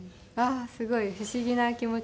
すごい不思議な気持ちです